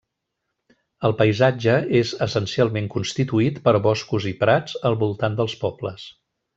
El paisatge és essencialment constituït per boscos i prats al voltant dels pobles.